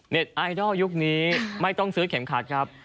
ไอดอลยุคนี้ไม่ต้องซื้อเข็มขัดครับ